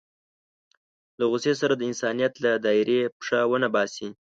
له غوسې سره د انسانيت له دایرې پښه ونه باسي.